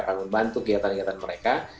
membantu kegiatan kegiatan mereka